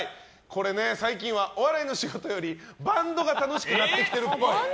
最近はお笑いの仕事よりバンドが楽しくなってきてるっぽい。